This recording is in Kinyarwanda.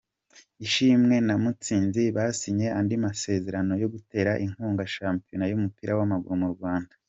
Ishimwe na mutsinzi basinye andi masezerano yo gutera inkunga shampiyona yumupira wamaguru murwanda